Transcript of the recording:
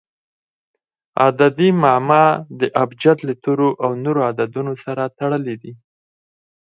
عددي معما د ابجد له تورو او نورو عددونو سره تړلي دي.